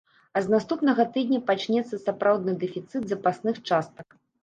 А з наступнага тыдня пачнецца сапраўдны дэфіцыт запасных частак.